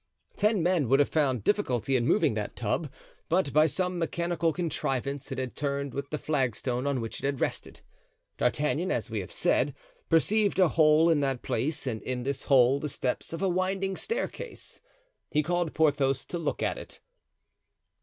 Ten men would have found difficulty in moving that tub, but by some mechanical contrivance it had turned with the flagstone on which it rested. D'Artagnan, as we have said, perceived a hole in that place and in this hole the steps of a winding staircase. He called Porthos to look at it.